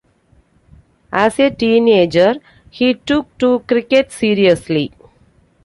As a teenager, he took to cricket seriously.